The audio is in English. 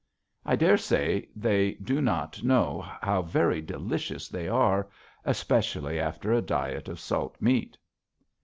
I dare say they do not know how very delicious they are, especially after a diet of salt meat.